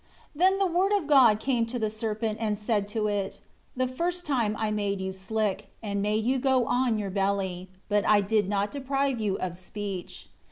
6 Then the Word of God came to the serpent, and said to it, "The first time I made you slick, and made you to go on your belly; but I did not deprive you of speech.